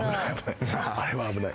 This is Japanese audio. あれは危ない。